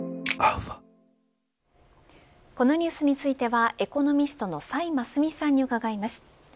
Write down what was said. このニュースについてはエコノミストの崔真淑さんに伺います。